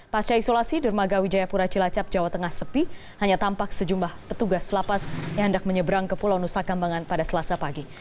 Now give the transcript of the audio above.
pasca isolasi dermaga wijayapura cilacap jawa tengah sepi hanya tampak sejumlah petugas lapas yang hendak menyeberang ke pulau nusa kambangan pada selasa pagi